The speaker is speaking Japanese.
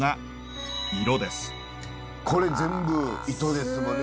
これ全部糸ですもんね。